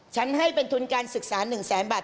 ฉันให้เป็นทุนการศึกษา๑แสนบาท